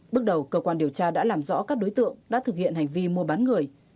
bước đầu cơ quan điều tra đã làm rõ các đối tượng đã thực hiện hành vi mua bán người